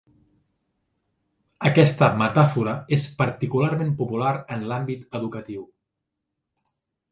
Aquesta metàfora és particularment popular en l'àmbit educatiu.